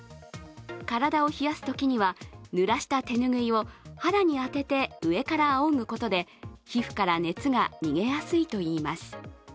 体を冷やすときにはぬらした手ぬぐいを肌に当てて上からあおぐことで皮膚から熱が逃げやすいといいます。